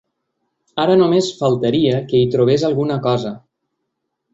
Ara només faltaria que hi trobés alguna cosa.